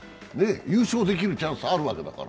優勝できるチャンスあるわけですから。